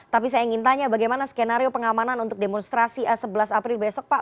tapi saya ingin tanya bagaimana skenario pengamanan untuk demonstrasi sebelas april besok pak